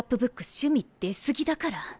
趣味出過ぎだから。